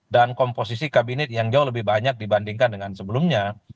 dan komposisi kabinet yang jauh lebih banyak dibandingkan dengan sebelumnya